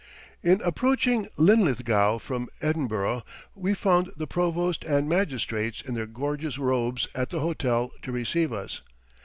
In approaching Linlithgow from Edinburgh, we found the provost and magistrates in their gorgeous robes at the hotel to receive us.